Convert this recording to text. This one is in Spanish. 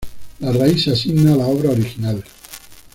La raíz se asigna a la obra original.